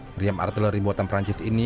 meriam artileri buatan perancis ini